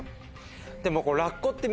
でも。